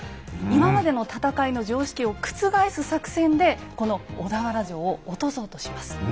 今までの戦いの常識を覆す作戦でこの小田原城を落とそうとします。